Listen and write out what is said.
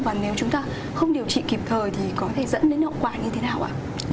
và nếu chúng ta không điều trị kịp thời thì có thể dẫn đến hậu quả như thế nào ạ